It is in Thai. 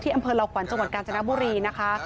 ที่อำเภอราควันจังหวันกาญจนบุรีนะคะ